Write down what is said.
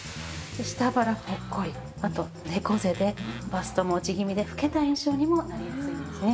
下腹ポッコリあと猫背でバストも落ち気味で老けた印象にもなりやすいんですね。